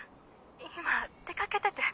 今出掛けてて。